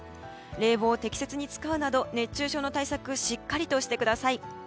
冷房を適切に使うなど熱中症の対策をしっかりとしてください。